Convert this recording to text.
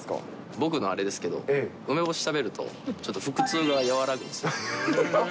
僕のあれですけれども、梅干し食べると、ちょっと腹痛が和らぐんですよ。